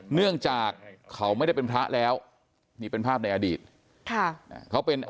เนื่องจากเขาไม่ได้เป็นพระแล้วนี่เป็นภาพในอดีตค่ะเขาเป็น